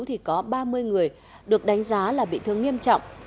thì có ba mươi người được đánh giá là bị thương nghiêm trọng